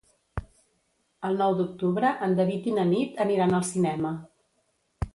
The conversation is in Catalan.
El nou d'octubre en David i na Nit aniran al cinema.